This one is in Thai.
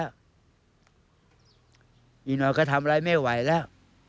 อีกหน่อยก็ทำอะไรไม่ไหวแล้ว